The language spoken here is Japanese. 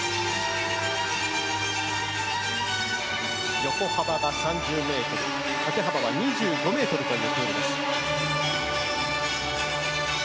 横幅が３０ｍ、縦幅が２５ｍというプールです。